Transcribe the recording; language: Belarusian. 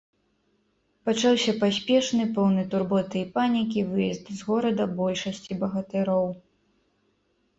Пачаўся паспешны, поўны турботы і панікі, выезд з горада большасці багатыроў.